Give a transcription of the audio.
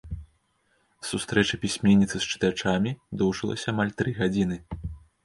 Сустрэча пісьменніцы з чытачамі доўжылася амаль тры гадзіны.